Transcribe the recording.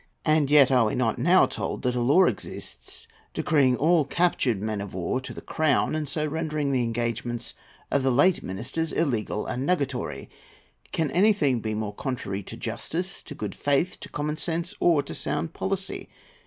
And yet are we not now told that a law exists decreeing all captured men of war to the crown, and so rendering the engagements of the late ministers illegal and nugatory? Can anything be more contrary to justice, to good faith, to common sense, or to sound policy?